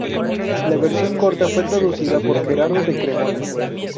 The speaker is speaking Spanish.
La versión corta fue traducida por Gerardo de Cremona.